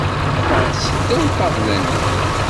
Ffeɣ-d seddaw ṭṭabla-nni!